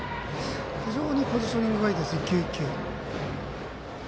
非常にポジショニングがいいですね、一球一球。